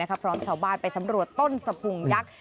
พร้อมเป็นชาวบ้านไปสำรวจต้นทหุ่นยักษ์